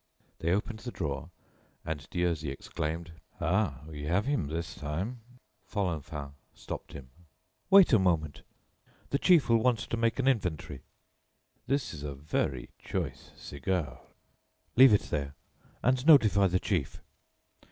They opened the drawer, and Dieuzy exclaimed: "Ah! we have him this time." Folenfant stopped him. "Wait a moment. The chief will want to make an inventory." "This is a very choice cigar." "Leave it there, and notify the chief."